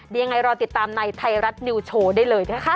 ยังไงรอติดตามในไทยรัฐนิวโชว์ได้เลยนะคะ